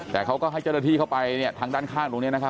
แต่เขาก็ให้เจรภิเข้าไปทางด้านข้างรุ่นนี้